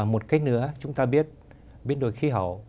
một cách nữa chúng ta biết biến đổi khí hậu